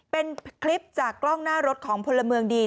เป็นคลิปจากกล้องหน้ารถของพลเมืองดี